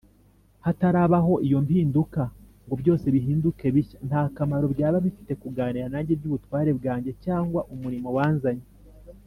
Hatarabaho iyo mpinduka, ngo byose bihinduke bishya, nta kamaro byaba bifite kuganira nanjye iby’ubutware bwanjye cyangwa umurimo wanzanye